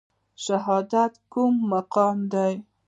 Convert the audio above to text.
شهادت کوم مقام دی؟